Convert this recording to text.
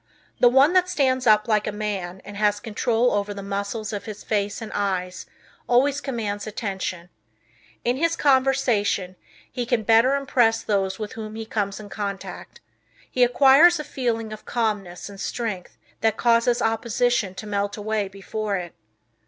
The one that stands up like a man and has control over the muscles of his face and eyes always commands attention. In his conversation, he can better impress those with whom he comes in contact. He acquires a feeling of calmness and strength that causes opposition to melt away before it.